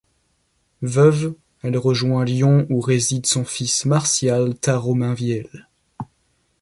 Veuve, elle rejoint Lyon où réside son fils Martial Tharaud-Mainvielle.